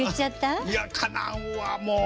いやかなわんわもう。